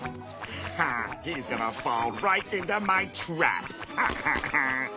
ハハハ！